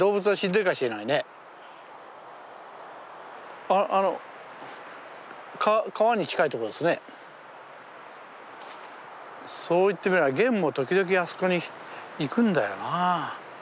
そう言ってみればげんも時々あそこに行くんだよなぁ。